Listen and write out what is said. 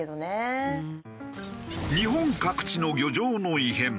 日本各地の漁場の異変。